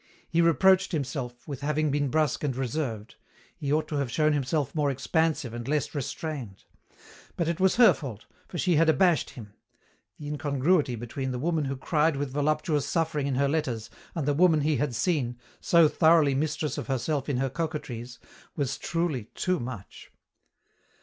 He reproached himself with having been brusque and reserved. He ought to have shown himself more expansive and less restrained. But it was her fault, for she had abashed him! The incongruity between the woman who cried with voluptuous suffering in her letters and the woman he had seen, so thoroughly mistress of herself in her coquetries, was truly too much!